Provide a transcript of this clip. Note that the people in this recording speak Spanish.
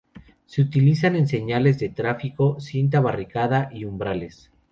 Se utilizan en señales de tráfico, cinta barricada, y umbrales.